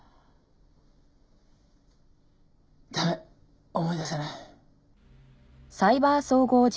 駄目思い出せない。